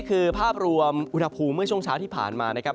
คือภาพรวมอุณหภูมิเมื่อช่วงเช้าที่ผ่านมานะครับ